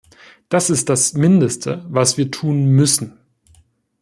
Das ist das Mindeste, was wir tun müssen.